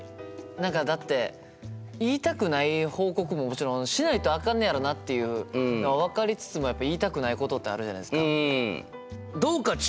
何かだって言いたくない報告ももちろんしないとあかんねやろなっていうのは分かりつつもやっぱ言いたくないことってあるじゃないですか。